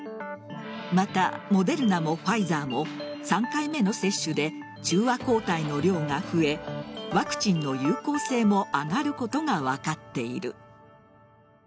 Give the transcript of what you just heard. また、モデルナもファイザーも３回目の接種で中和抗体の量が増えワクチンの有効性も上がることが分かっている。